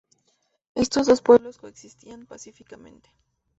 Estos dos pueblos coexistían pacíficamente.